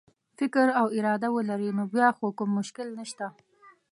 فکر او اراده ولري نو بیا خو کوم مشکل نشته.